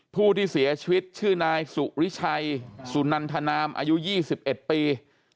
ผู้ที่เสียชีวิตชื่อนายสุริชัยสุนันทนามอายุ๒๑ปี